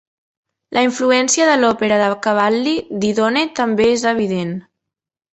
La influència de l'òpera de Cavalli "Didone" també és evident.